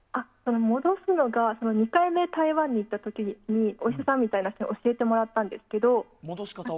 戻すのが２回目、台湾に行った時にお医者さんに教えてもらったんですけど。